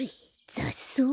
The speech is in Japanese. ざっそう？